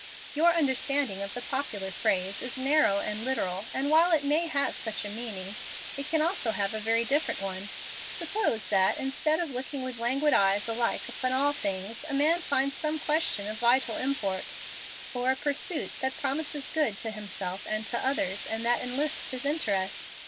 "Your understanding of the popular phrase is narrow and literal, and while it may have such a meaning, it can also have a very different one. Suppose that, instead of looking with languid eyes alike upon all things, a man finds some question of vital import, or a pursuit that promises good to himself and to others and that enlists his interest.